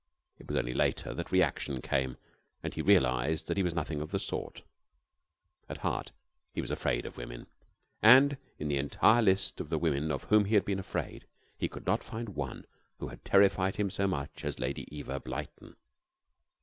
It was only later that the reaction came and he realized that he was nothing of the sort. At heart he was afraid of women, and in the entire list of the women of whom he had been afraid, he could not find one who had terrified him so much as Lady Eva Blyton.